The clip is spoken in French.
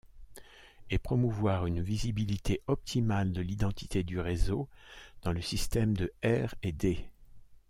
Et promouvoir une visibilité optimale de l’identité du réseau dans le système de R&D.